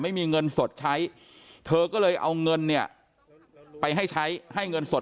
ไม่มีเงินสดใช้เธอก็เลยเอาเงินเนี่ยไปให้ใช้ให้เงินสด